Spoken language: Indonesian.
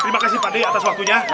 terima kasih pak d atas waktunya